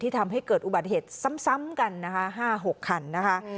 ทำให้เกิดอุบัติเหตุซ้ำกันนะคะ๕๖คันนะคะ